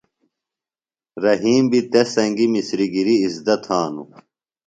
رحیم بیۡ تس سنگیۡ مِسریۡ گریۡ ازدہ تھانوۡ۔